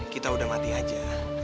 kita udah mati aja